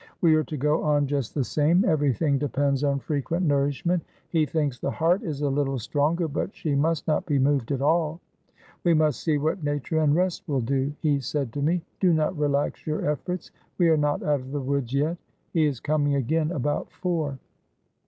We are to go on just the same. Everything depends on frequent nourishment; he thinks the heart is a little stronger, but she must not be moved at all. 'We must see what nature and rest will do,' he said to me; 'do not relax your efforts, we are not out of the woods yet.' He is coming again about four."